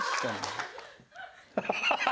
ハハハハ。